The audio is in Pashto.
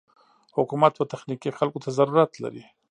حکومت و تخنيکي خلکو ته ضرورت لري.